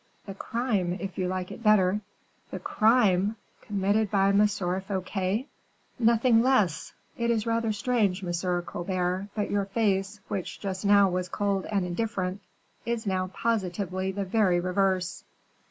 "The crime, if you like it better." "The crime! committed by M. Fouquet!" "Nothing less. It is rather strange, M. Colbert, but your face, which just now was cold and indifferent, is now positively the very reverse."